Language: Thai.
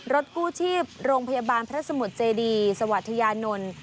กู้ชีพโรงพยาบาลพระสมุทรเจดีสวัสยานนท์